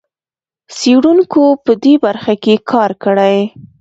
څېړونکو په دې برخه کې کار کړی.